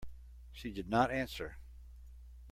She did not answer.